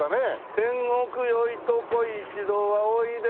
「天国よいとこ一度はおいで」